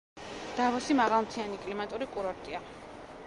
დავოსი მაღალმთიანი კლიმატური კურორტია.